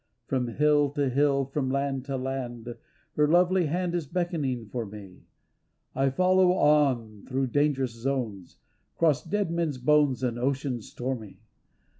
From hill to hill, from land to land. Her lovely hand is beckoning for me, I follow on through dangerous zones. Cross dead men's bones and oceans stormy.